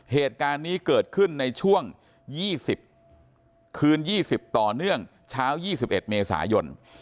เหตุการณ์นี้เกิดขึ้นในช่วง๒๐คืน๒๐ต่อเนื่องเช้า๒๑เมษายน